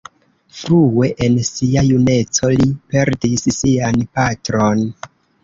Frue en sia juneco li perdis sian patron.